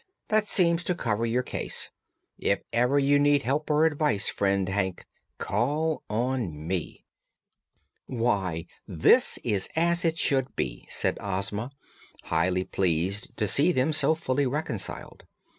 That seems to cover your case. If ever you need help or advice, friend Hank, call on me." "Why, this is as it should be," said Ozma, highly pleased to see them so fully reconciled.